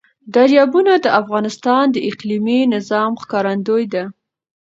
دریابونه د افغانستان د اقلیمي نظام ښکارندوی ده.